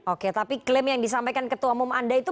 oke tapi klaim yang disampaikan ketua umum anda itu